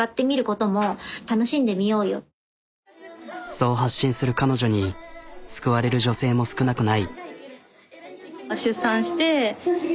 そう発信する彼女に救われる女性も少なくない。